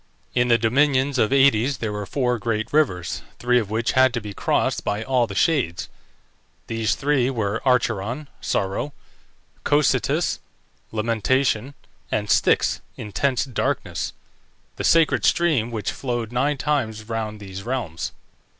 In the dominions of Aïdes there were four great rivers, three of which had to be crossed by all the shades. These three were Acheron (sorrow), Cocytus (lamentation), and Styx (intense darkness), the sacred stream which flowed nine times round these realms.